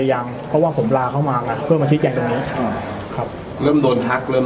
ยังเพราะว่าผมลาเขามากับเพื่อนเฉพาะนี้เออครับเริ่ม